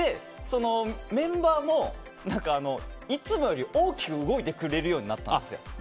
メンバーも、いつもより大きく動いてくれるようになったんですよ。